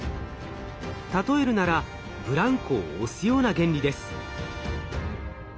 例えるならブランコを押すような原理です。